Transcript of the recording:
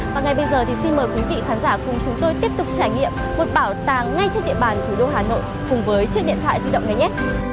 và ngay bây giờ thì xin mời quý vị khán giả cùng chúng tôi tiếp tục trải nghiệm một bảo tàng ngay trên địa bàn thủ đô hà nội cùng với chiếc điện thoại di động nhanh nhất